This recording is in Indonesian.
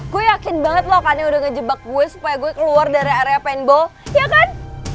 gue yakin banget loh kan yang udah ngejebak gue supaya gue keluar dari area paintball ya kan